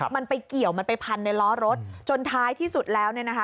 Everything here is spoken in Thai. มันไปเกี่ยวมันไปพันในล้อรถจนท้ายที่สุดแล้ว